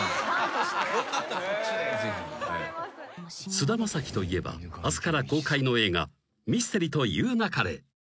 ［菅田将暉といえば明日から公開の映画『ミステリと言う勿れ』］